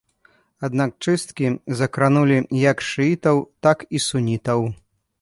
Аднак чысткі закранулі як шыітаў, так і сунітаў.